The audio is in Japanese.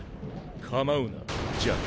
構うな邪見。